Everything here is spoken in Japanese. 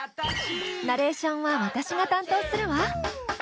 ナレーションは私が担当するわ。